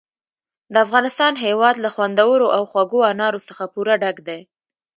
د افغانستان هېواد له خوندورو او خوږو انارو څخه پوره ډک دی.